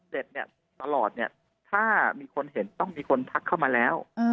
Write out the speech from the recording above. ตลอดเนี่ยถ้ามีคนเห็นต้องมีคนทักเข้ามาแล้ว